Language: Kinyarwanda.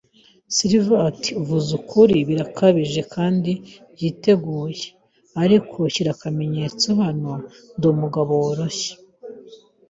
Silver ati: "Uvuze ukuri." “Birakabije kandi byiteguye. Ariko shyira akamenyetso hano, Ndi umugabo woroshye